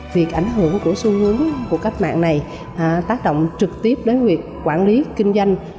việc ảnh hưởng của xu hướng của cách mạng này tác động trực tiếp đến việc quản lý kinh doanh